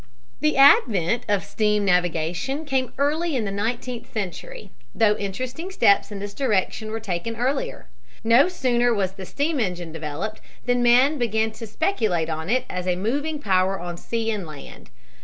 The advent of steam navigation came early in the nineteenth century, though interesting steps in this direction were taken earlier. No sooner was the steam engine developed than men began to speculate on it as a moving power on sea and land.